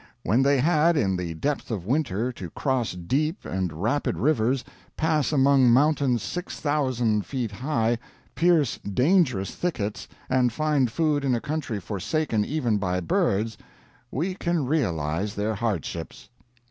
When they had, in the depth of winter, to cross deep and rapid rivers, pass among mountains six thousand feet high, pierce dangerous thickets, and find food in a country forsaken even by birds, we can realize their hardships.